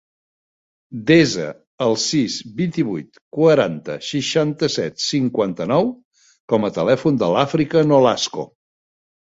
Desa el sis, vint-i-vuit, quaranta, seixanta-set, cinquanta-nou com a telèfon de l'Àfrica Nolasco.